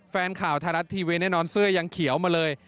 แฟนข่าวไทยรัฐทีวีแน่นอนเสื้อยังเขียวมาเลย